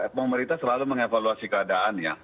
pemerintah selalu mengevaluasi keadaan ya